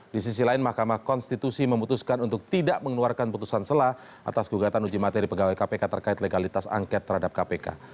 di sisi lain mahkamah konstitusi memutuskan untuk tidak mengeluarkan putusan selah atas gugatan uji materi pegawai kpk terkait legalitas angket terhadap kpk